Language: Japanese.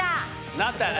なったよね。